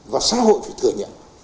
và xã hội phải thừa nhận